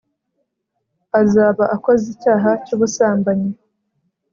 azaba akoze icyaha cy'ubusambanyi